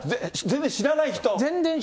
全然知らない人？